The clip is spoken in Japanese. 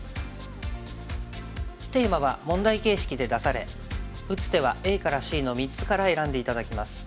テーマは問題形式で出され打つ手はＡからＣの３つから選んで頂きます。